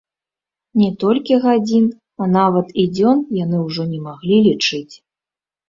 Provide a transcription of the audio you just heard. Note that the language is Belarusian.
Не толькі гадзін, а нават і дзён яны ўжо не маглі лічыць.